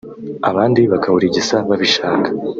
abandi bakawurigisa babishaka